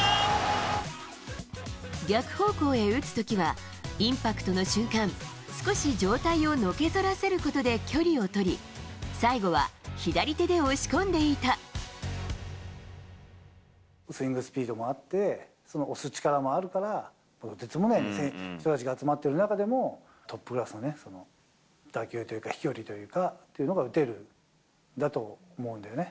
逆方向へ打つときは、インパクトの瞬間、少し上体をのけぞらせることで距離を取り、スイングスピードもあって、その押す力もあるから、とてつもない人たちが集まっている中でも、トップクラスのね、打球というか飛距離というか、というのが打てる、だと思うんだよね。